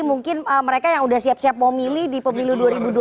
mungkin mereka yang sudah siap siap mau milih di pemilu dua ribu dua puluh